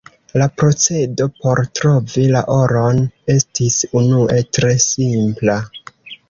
La procedo por trovi la oron estis unue tre simpla.